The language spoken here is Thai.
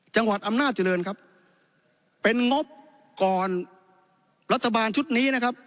จังหวัดอำนาจเจริญครับเป็นงบก่อนรัฐบาลชุดนี้นะครับ